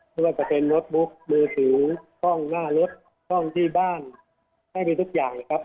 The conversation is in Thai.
เราประเทศโนสบุ๊คมือถือห้องหน้ารถห้องที่บ้านให้ไปทุกอย่างครับ